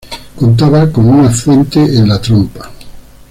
Contaba con una fuente en la trompa.